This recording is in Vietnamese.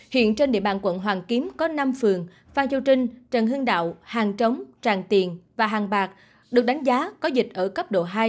hiện trên địa bàn quận hoàn kiếm có năm phường phan châu trinh trần hưng đạo hàng trống tràng tiền và hàng bạc được đánh giá có dịch ở cấp độ hai